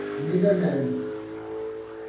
neither lands